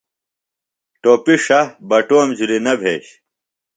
ٹوۡپیۡ ݜہ، بٹوم جُھلیۡ نہ بھیش۔